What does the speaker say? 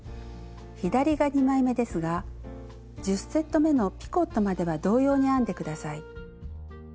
左が２枚めですが１０セットめのピコットまでは同様に編んで下さい。